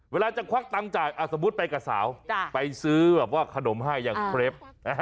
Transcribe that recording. เวลาจะควักตังค์จ่ายสมมุติไปกับสาวไปซื้อแบบว่าขนมให้อย่างเครป